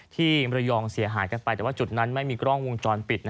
มรยองเสียหายกันไปแต่ว่าจุดนั้นไม่มีกล้องวงจรปิด